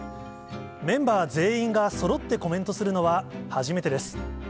メンバー全員がそろってコメントするのは初めてです。